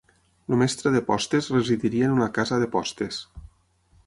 El mestre de postes residiria en una "casa de postes".